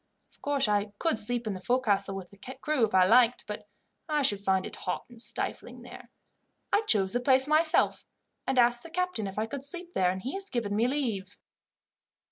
Of course I could sleep in the fo'castle with the crew if I liked, but I should find it hot and stifling there. I chose the place myself, and asked the captain if I could sleep there, and he has given me leave."